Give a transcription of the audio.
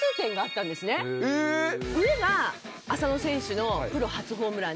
上が浅野選手のプロ初ホームランで。